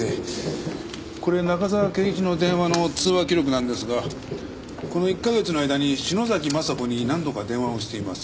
これ中沢啓一の電話の通話記録なんですがこの１か月の間に篠崎昌子に何度か電話をしています。